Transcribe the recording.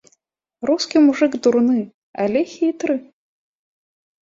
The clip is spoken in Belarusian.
Рускі мужык дурны, але хітры.